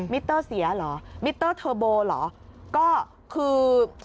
มิเตอร์เสียหรือมิเตอร์เทอร์โบหรือ